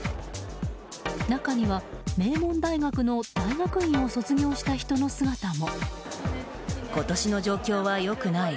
中には、名門大学の大学院を卒業した人の姿も。